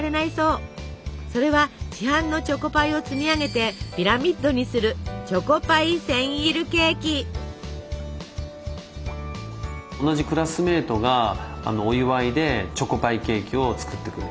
それは市販のチョコパイを積み上げてピラミッドにする同じクラスメートがお祝いでチョコパイケーキを作ってくれて。